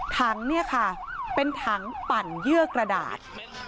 ถังเนี่ยค่ะเป็นถังปั่นเยื่อกระดาษ